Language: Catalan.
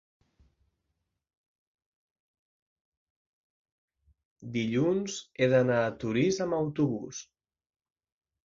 Dilluns he d'anar a Torís amb autobús.